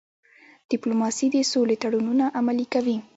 ډيپلوماسي د سولې تړونونه عملي کوي.